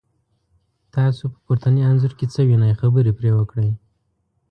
تاسو په پورتني انځور کې څه وینی، خبرې پرې وکړئ؟